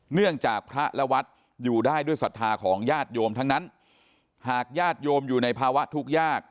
เนื่องจากพระและวัดอยู่ได้ด้วยศรัทธาของญาติโยมทั้งนั้นหากญาติโยมอยู่ในภาวะทุกข์ยาก